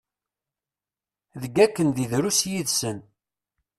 Deg wakken deg drus yid-sen.